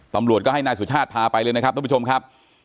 ตำรวจก็ให้นายสุชาติพาไปเลยนะครับทุกผู้ชมครับ